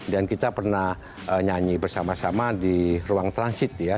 kita pernah nyanyi bersama sama di ruang transit ya